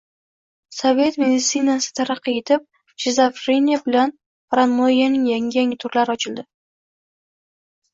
Sovet meditsinasi taraqqiy etib, shizofreniya bilan paranoyyaning yangi-yangi turlari ochildi.